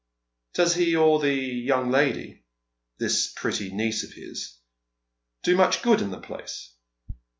" Does he or the young lady — this pretty niece of his — do much good in the place